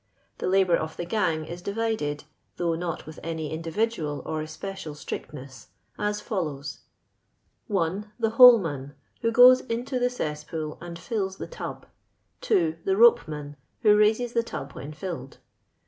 The labour of the gang is divided, though not with any individual or especial strictness, as follows :— 1. The holcman, who goes into the cesspool and fills the tub. 2. The ropcmauj who raises the tub when filled.